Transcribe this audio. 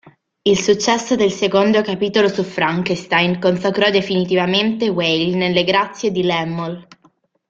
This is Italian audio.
Il successo del secondo capitolo su Frankenstein consacrò definitivamente Whale nelle grazie di Laemmle.